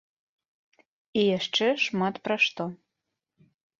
І яшчэ шмат пра што.